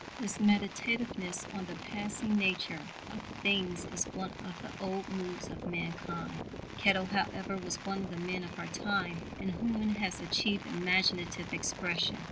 This meditativeness on the passing nature of things is one of the old moods of mankind. Kettle, however, was one of the men of our time in whom it has achieved imaginative expression.